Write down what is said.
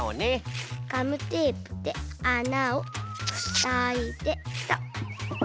ガムテープであなをふさいでっと。